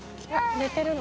寝てるの？